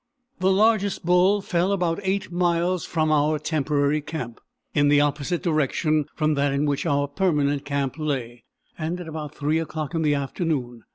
The largest bull fell about 8 miles from our temporary camp, in the opposite direction from that in which our permanent camp lay, and at about 3 o'clock in the afternoon.